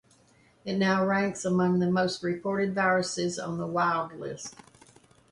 It now ranks among the most-reported viruses on the WildList.